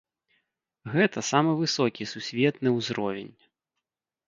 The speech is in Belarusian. Гэта самы высокі сусветны ўзровень.